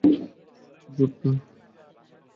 Jude, না!